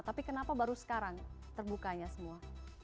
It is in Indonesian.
tapi kenapa baru sekarang terbukanya semua